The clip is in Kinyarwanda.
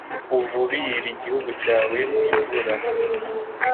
uvubire igihugu cyawe imvura